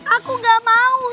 aku gak mau